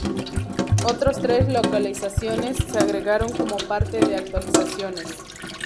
Otros tres localizaciones se agregaron como parte de actualizaciones.